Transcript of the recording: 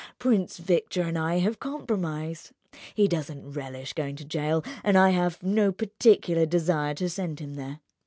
Prince Victor and I have compromised. He doesn't relish going to jail, and I've no particular desire to send him there.